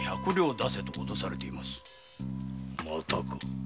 またか。